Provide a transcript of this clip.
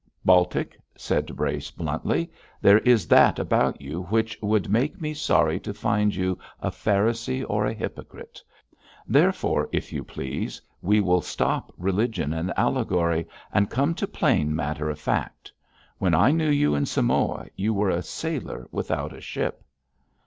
'Baltic,' said Brace, bluntly, 'there is that about you which would make me sorry to find you a Pharisee or a hypocrite. Therefore, if you please, we will stop religion and allegory, and come to plain matter of fact. When I knew you in Samoa, you were a sailor without a ship.'